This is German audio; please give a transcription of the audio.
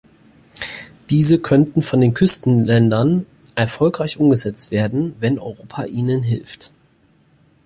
Diese könnten von den Küstenländern erfolgreich umgesetzt werden, wenn Europa ihnen hilft.